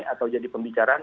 atau jadi pembicaraan